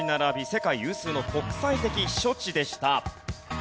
世界有数の国際的避暑地でした。